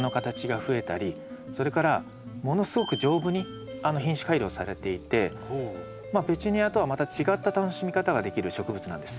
それからものすごく丈夫に品種改良されていてペチュニアとはまた違った楽しみ方ができる植物なんです。